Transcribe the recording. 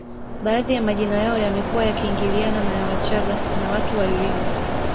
Baadhi ya majina yao yamekuwa yakiingiliana na ya wachaga na watu wa iringa